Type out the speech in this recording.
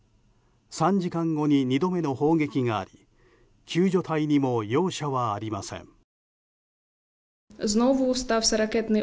３時間後に２度目の砲撃があり救助隊にも容赦はありません。